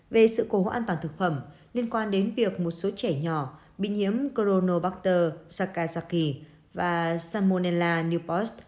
về sự cố gắng an toàn thực phẩm liên quan đến việc một số trẻ nhỏ bị nhiễm corona bacter sakazaki và salmonella newpost